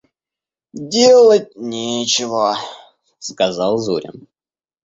«Делать нечего! – сказал Зурин.